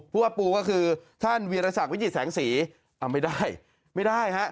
ผู้ว่าปูก็คือท่านเวียรสักวิจิสังศรีอ่ะไม่ได้ไม่ได้ฮะ